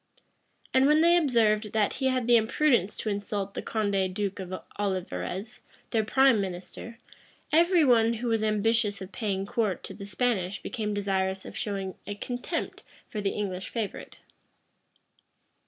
And when they observed, that he had the imprudence to insult the Condé duke of Olivarez, their prime minister, every one who was ambitious of paying court to the Spanish became desirous of showing a contempt for the English favorite.